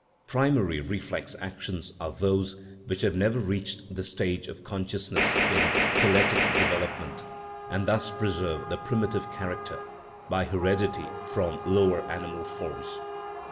Primary reflex actions are those which have never reached the stage of consciousness in phyletic development, and thus preserve the primitive character (by heredity from lower animal forms).